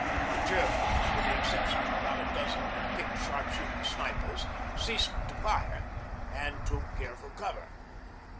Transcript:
The Germans, with the exception of about a dozen picked sharp shooting snipers, ceased to fire and took careful cover.